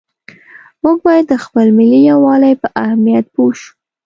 موږ باید د خپل ملي یووالي په اهمیت پوه شو.